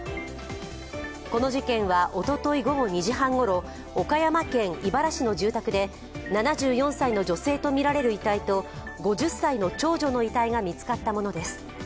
この事件はおととい午後２時半ごろ岡山県井原市の住宅で７４歳の女性とみられる遺体と５０歳の長女の遺体が見つかったものです。